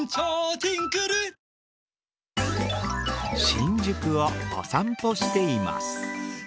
◆新宿をお散歩しています。